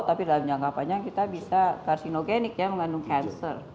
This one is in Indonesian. tapi dalam jangka panjang kita bisa karsinogenik ya mengandung cancer